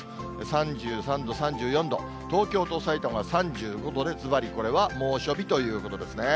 ３３度、３４度、東京とさいたまは３５度で、ずばりこれは、猛暑日ということですね。